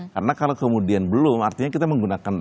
karena kalau kemudian belum artinya kita menggunakan data